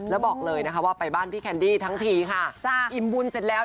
แล้วบอกเลยนะคะว่าไปบ้านพี่แคนดี้ทั้งทีค่ะ